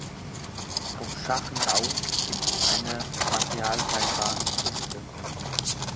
Vom Schachen aus gibt es eine Materialseilbahn zur Hütte.